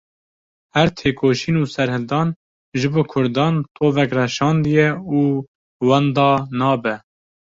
Her têkoşîn û serhildan ji bo kurdan tovek reşandiye û wenda nabe.